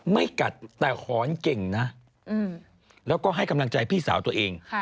ไม่กัดแต่หอนเก่งนะแล้วก็ให้กำลังใจพี่สาวตัวเอง